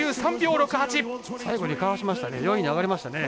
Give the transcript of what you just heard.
最後にかわしましたね。